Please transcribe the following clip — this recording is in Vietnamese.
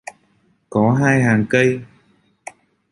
Có hai hang cây